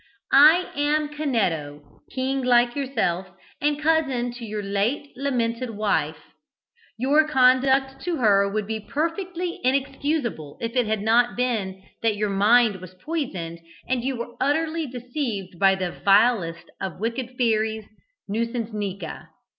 I am Canetto, king like yourself, and cousin to your late lamented wife. Your conduct to her would be perfectly inexcusable if it had not been that your mind was poisoned and you were utterly deceived by this vilest of wicked fairies, Nuisancenika."